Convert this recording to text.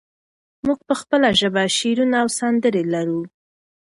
موږ په خپله ژبه شعرونه او سندرې لرو.